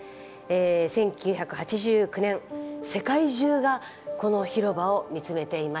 １９８９年世界中がこの広場を見つめていました。